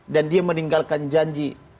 dan dia meninggalkan janji